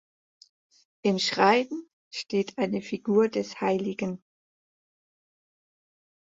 Im Schrein steht eine Figur des hl.